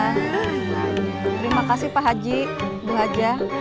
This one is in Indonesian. terima kasih pak haji bung haja